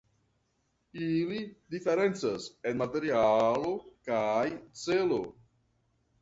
Ili diferencas en materialo kaj celo.